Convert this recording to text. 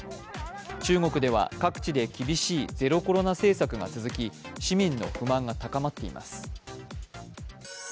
中国では各地で厳しいゼロコロナ政策が続き市民の不満が高まっています。